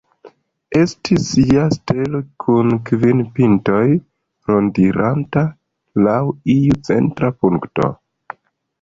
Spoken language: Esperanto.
Estis ja stelo, kun kvin pintoj, rondiranta laŭ iu centra punkto.